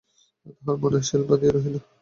তাঁহার মনে শেল বিঁধিয়া রহিল।